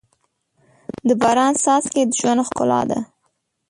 د باران څاڅکي د ژوند ښکلا ده.